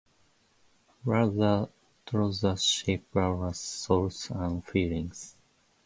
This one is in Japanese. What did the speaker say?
Words are tools that shape our thoughts and feelings.